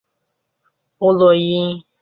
欧络因。